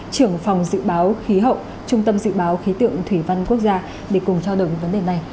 trưởng phòng dự báo khí hậu trung tâm dự báo khí tượng thủy văn quốc gia để cùng trao đổi về vấn đề này